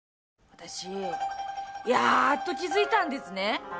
私やっと気づいたんですね